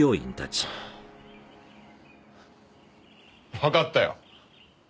わかったよ。